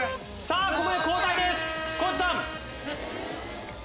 ここで交代です地さん。